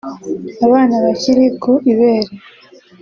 abana bakiri ku ibere